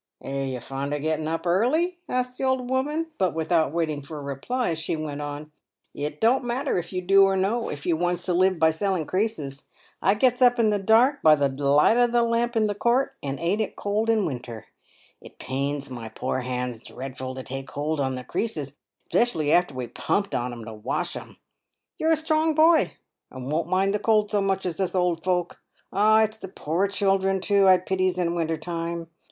" Are you fond of getting up early ?" asked the old woman ; but without waiting for a reply, she went on :" It don't matter if you do or no if you wants to live by selling creases. I gets up in the dark, by the light of the lamp in the court, and ain't it cold in winter ! It pains my poor hands dreadful to take hold on the creases, 'specially after we've pumped on 'em to wash 'em. You're a strong boy, and won't mind the cold so much, as us old folk. Ah, it's the poor children, too, I pities in winter time.